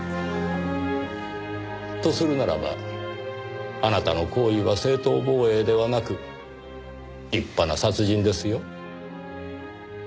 とするならばあなたの行為は正当防衛ではなく立派な殺人ですよ。